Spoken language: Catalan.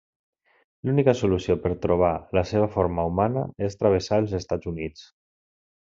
L'única solució per trobar la seva forma humana és travessar els Estats Units.